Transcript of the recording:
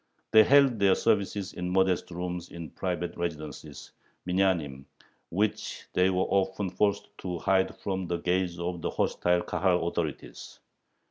They held their services in modest rooms in private residences (minyanim), which they were often forced to hide from the gaze of the hostile Kahal authorities.